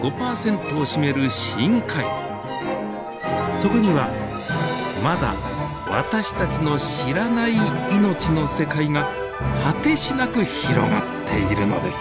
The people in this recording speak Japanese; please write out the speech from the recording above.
そこにはまだ私たちの知らない命の世界が果てしなく広がっているのです。